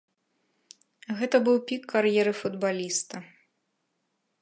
Гэта быў пік кар'еры футбаліста.